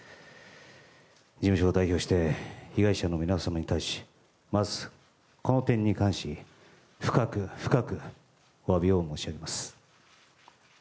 事務所を代表して被害者の皆様に対しまずこの点に関し深く深くお詫び申し上げます。